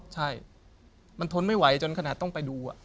ใช่มันทนไม่ไหวจนขนาดต้องไปดู